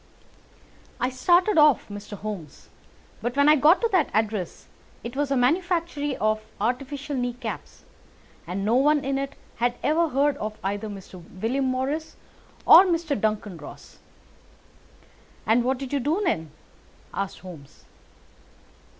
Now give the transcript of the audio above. "I started off, Mr. Holmes, but when I got to that address it was a manufactory of artificial knee caps, and no one in it had ever heard of either Mr. William Morris or Mr. Duncan Ross." "And what did you do then?" asked Holmes.